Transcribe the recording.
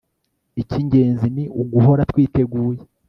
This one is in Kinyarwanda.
ikigenzi ni uguhora twiteguye